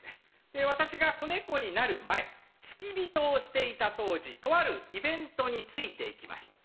で私が小猫になる前付き人をしていた当時とあるイベントについていきました。